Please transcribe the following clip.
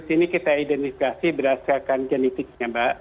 jadi kita identifikasi berdasarkan genetiknya mbak